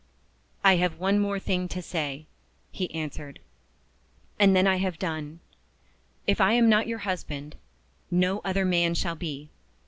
"I have one thing more to say," he answered, "and then I have done. If I am not your husband, no other man shall be.